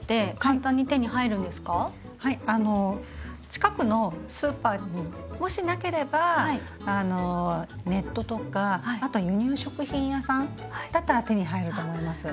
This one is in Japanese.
近くのスーパーにもしなければネットとかあと輸入食品屋さんだったら手に入ると思います。